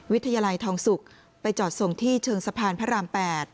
วิทยาลัยทองศุกร์ไปจอดส่งที่เชิงสะพานพระราม๘